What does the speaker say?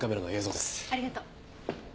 ありがとう。